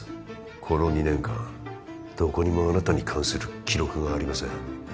この２年間どこにもあなたに関する記録がありません